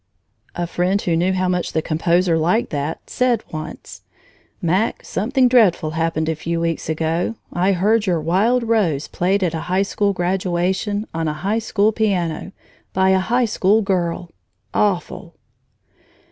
A friend who knew how much the composer liked that said once: "Mac, something dreadful happened a few weeks ago. I heard your 'Wild Rose' played at a high school graduation, on a high school piano, by a high school girl awful!"